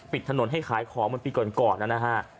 ปิดถนนให้ขายของปีเกินก่อนแล้วนะฮะ